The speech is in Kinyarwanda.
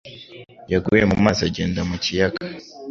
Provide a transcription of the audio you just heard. yaguye mu mazi agenda mu kiyaga